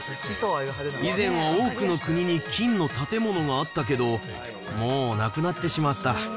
以前は多くの国に金の建物があったけど、もうなくなってしまった。